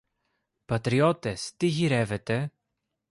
Πατριώτες, τι γυρεύετε;